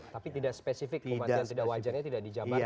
tapi tidak spesifik kematian tidak wajarnya tidak dijabarkan begitu ya